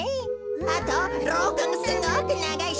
あとろうかもすごくながいし。